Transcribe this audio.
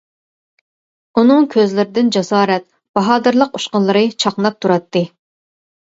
ئۇنىڭ كۆزلىرىدىن جاسارەت، باھادىرلىق ئۇچقۇنلىرى چاقناپ تۇراتتى.